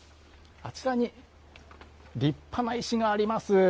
あちらに立派な石があります。